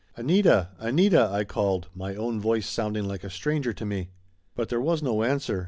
"Anita! Anita!" I called, my own voice sounding like a stranger to me. But there was no answer.